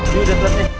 dwi udah telat nih